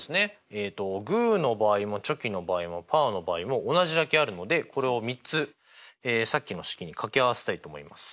えっとグーの場合もチョキの場合もパーの場合も同じだけあるのでこれを３つさっきの式に掛け合わせたいと思います。